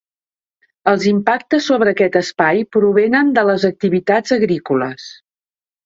Els impactes sobre aquest espai provenen de les activitats agrícoles.